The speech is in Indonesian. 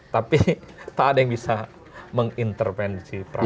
tapi tak ada yang bisa mengintervensi perasaan